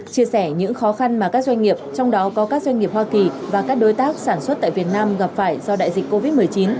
chia sẻ những khó khăn mà các doanh nghiệp trong đó có các doanh nghiệp hoa kỳ và các đối tác sản xuất tại việt nam gặp phải do đại dịch covid một mươi chín